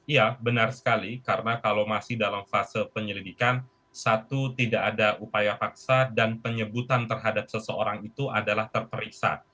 ya benar sekali karena kalau masih dalam fase penyelidikan satu tidak ada upaya paksa dan penyebutan terhadap seseorang itu adalah terperiksa